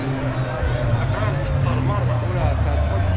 Aql-aɣ nfeṭṭer merra.